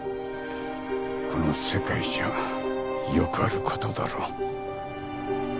この世界じゃよくあることだろう。